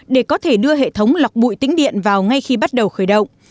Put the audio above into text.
để có thể đưa hệ thống lọc bụi tính điện vào ngay khi bắt đầu khởi động